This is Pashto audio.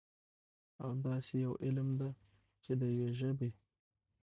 او داسي يوه علم ده، چې د يوي ژبې